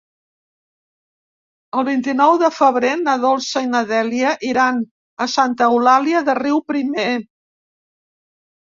El vint-i-nou de febrer na Dolça i na Dèlia iran a Santa Eulàlia de Riuprimer.